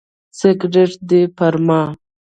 سګرټ دې پر ما.